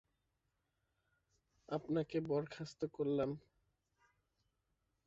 আপনাকে বরখাস্ত করলাম।